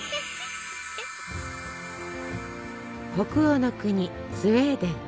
北欧の国スウェーデン。